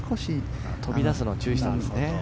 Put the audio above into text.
飛び出すのを注意したんですね。